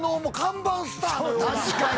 確かに！